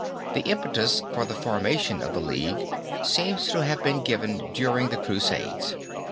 The impetus for the formation of the League seems to have been given during the Crusades.